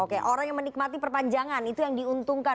oke orang yang menikmati perpanjangan itu yang diuntungkan